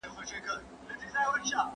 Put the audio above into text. آیا تاسو په خپل کور کې سمارټ تلویزیون لرئ؟